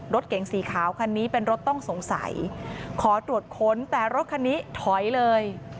รถเก๋งสีขาวคันนี้เป็นรถต้องสงสัยขอตรวจค้นแต่รถคันนี้ถอยเลย